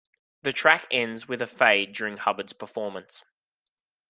The track ends with a fade during Hubbard's performance.